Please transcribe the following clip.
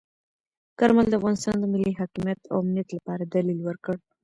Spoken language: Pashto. کارمل د افغانستان د ملي حاکمیت او امنیت لپاره دلیل ورکړ.